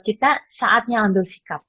kita saatnya ambil sikap